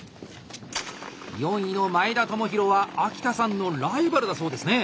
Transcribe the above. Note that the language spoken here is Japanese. ４位の前田智広は秋田さんのライバルだそうですね。